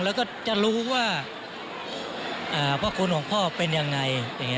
แล้วก็จะรู้ว่าพ่อคนของพ่อเป็นยังไง